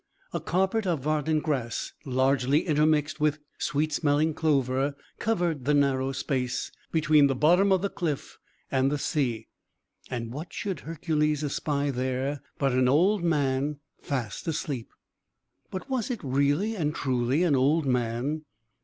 A carpet of verdant grass, largely intermixed with sweet smelling clover, covered the narrow space between the bottom of the cliff and the sea. And what should Hercules espy there but an old man, fast asleep! But was it really and truly an old man?